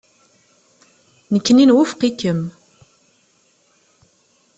Nekkni nwufeq-ikem.